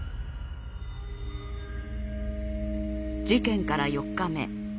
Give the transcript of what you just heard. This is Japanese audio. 事件から４日目。